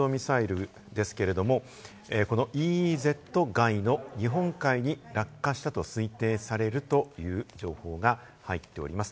発射した弾道ミサイルですけれども、このＥＥＺ外の日本海に落下したと推定されるという情報が入っております。